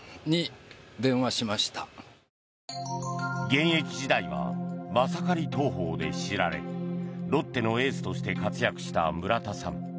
現役時代はマサカリ投法で知られロッテのエースとして活躍した村田さん。